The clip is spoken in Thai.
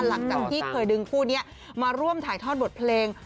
หลังจากที่เคยดึงคู่นี้มาร่วมถ่ายทอดบทเพลง